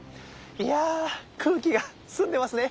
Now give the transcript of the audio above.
いや空気が澄んでますね。